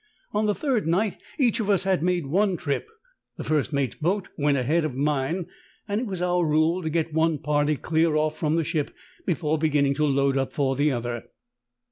On the third night each of us had made one trip ; the first mate's boat went ahead of mine, and it was our rule to get one party clear off from the ship before beginning to load up for the other.